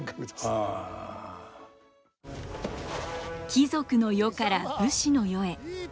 貴族の世から武士の世へ。